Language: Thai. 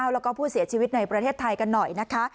แล้วก็ผู้เสียชีวิตในประเทศไทยกันหน่อยนะคะ